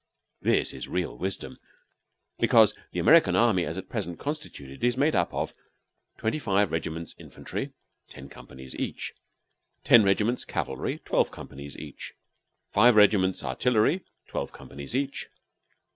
This is real wisdom, be cause the American army, as at present constituted, is made up of: Twenty five regiments infantry, ten companies each. Ten regiments cavalry, twelve companies each. Five regiments artillery, twelve companies each.